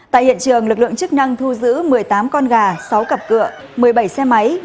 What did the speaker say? tại hiện trường lực lượng chức năng thu giữ một mươi tám con gà sáu cặp cựa một mươi bảy xe máy